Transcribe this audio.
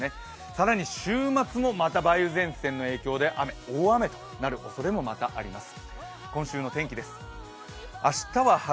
更に週末もまた梅雨前線の影響で雨、大雨となるおそれもまたあります。